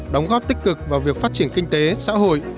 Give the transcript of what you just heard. đóng góp tích cực vào việc phát triển kinh tế xã hội